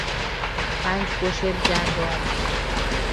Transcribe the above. پنج بوشل گندم